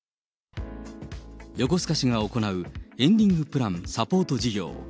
横須賀市が行うエンディングプラン・サポート事業。